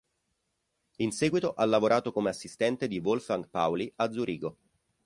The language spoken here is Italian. In seguito ha lavorato come assistente di Wolfgang Pauli a Zurigo.